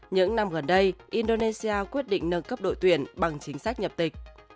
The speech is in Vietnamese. những năm gần đây indonesia quyết định nâng cấp đội tuyển bằng chính sách nhập tịch